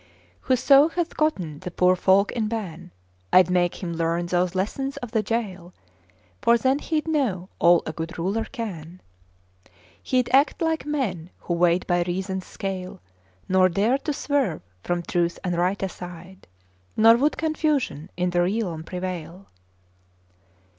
Whoso hath gotten the poor folk in ban, I'd make him learn those lessons of the jail; For then he'd know all a good ruler can: He'd act like men who weigh by reason's scale, Nor dare to swerve from truth and right aside, Nor would confusion in the realm prevail.